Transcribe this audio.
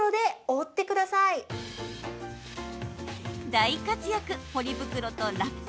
大活躍ポリ袋とラップ。